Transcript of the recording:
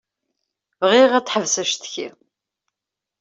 Bɣiɣ ad teḥbes acetki.